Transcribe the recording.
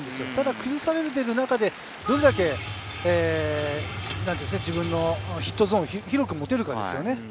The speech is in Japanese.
崩されてる中でどれだけ自分のヒットゾーンを広く持てるかですよね。